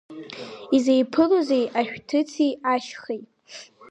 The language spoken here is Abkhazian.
Изеиԥылозеи ашәҭыци ашьхеи?